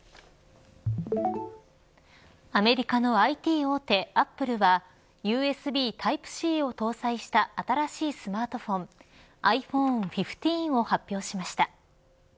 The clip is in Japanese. アメリカのＩＴ大手アップルはＵＳＢタイプＣを搭載した新しいスマートフォンｉＰｈｏｎｅ１５を発表しました。